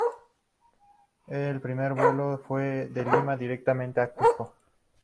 Este primer vuelo fue de Lima directamente a Cusco.